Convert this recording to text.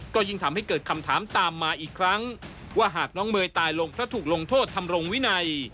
ก็ยิ่งทำให้เกิดคำถามตามมาอีกครั้งว่าหากน้องเมย์ตายลงเพราะถูกลงโทษทำรงวินัย